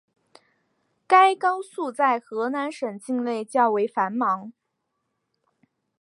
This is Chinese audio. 该高速在河南省境内较为繁忙。